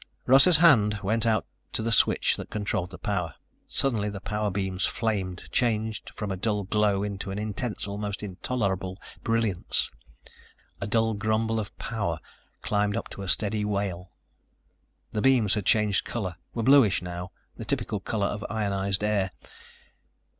Russ's hand went out to the switch that controlled the power. Suddenly the power beams flamed, changed from a dull glow into an intense, almost intolerable brilliance. A dull grumble of power climbed up to a steady wail. The beams had changed color, were bluish now, the typical color of ionized air.